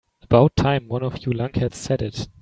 About time one of you lunkheads said it.